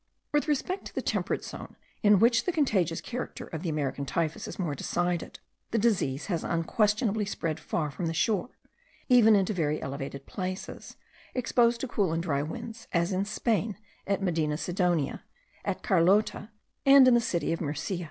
With respect to the temperate zone, in which the contagious character of the American typhus is more decided, the disease has unquestionably spread far from the shore, even into very elevated places, exposed to cool and dry winds, as in Spain at Medina Sidonia, at Carlotta, and in the city of Murcia.